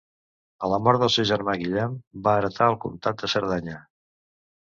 A la mort del seu germà Guillem va heretar el comtat de Cerdanya.